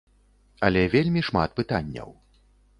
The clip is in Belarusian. Але вельмі шмат пытанняў.